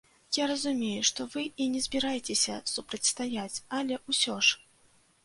Я разумею, што вы і не збіраецеся супрацьстаяць, але ўсё ж?